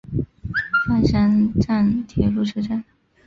饭山站铁路车站。